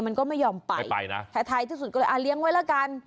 มันก็ไม่ยอมไปไม่ไปนะท้ายที่สุดก็เลยเลี้ยงไว้แล้วกัน